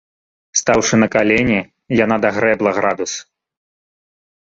Стаўшы на калені, яна дагрэбла градус.